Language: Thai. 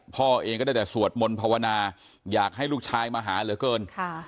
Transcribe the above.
พ่อเองก็ได้แต่สวดมนต์ภาวนาอยากให้ลูกชายมาหาเหลือเกิน